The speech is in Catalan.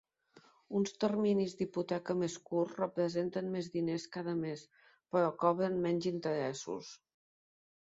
Uns terminis d"hipoteca més curts representen més diners cada mes, però cobren menys interessos.